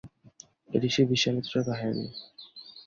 ঋষি বিশ্বামিত্রের কাহিনি।